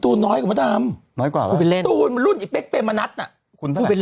ตูนน้อยกว่าประดับน้อยกว่าไปเล่นรุ่นไปมานัดน่ะคุณเป็น